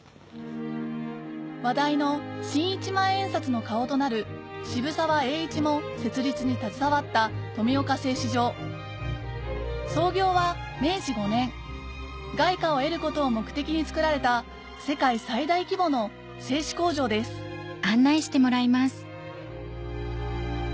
話題の新１万円札の顔となる渋沢栄一も設立に携わった富岡製糸場創業は明治５年外貨を得ることを目的に造られた世界最大規模の製糸工場ですすごい迫力。